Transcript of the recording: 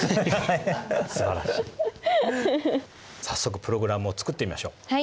早速プログラムを作ってみましょう。